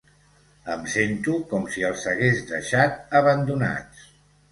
Em sento com si els hagués deixat abandonats.